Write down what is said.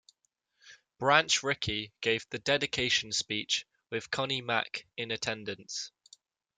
Branch Rickey gave the dedication speech, with Connie Mack in attendance.